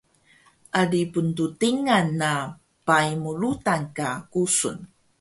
Ali pnttingan na pai mu rudan ka kusun